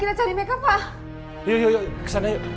iya mari pak